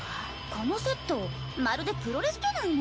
このセットまるでプロレスじゃないの。